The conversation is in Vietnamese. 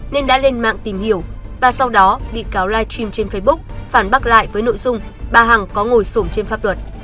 nên đã lên mạng tìm hiểu và sau đó bị cáo live stream trên facebook phản bác lại với nội dung bà hằng có ngồi sổm trên pháp luật